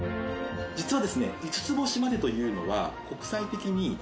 実はですね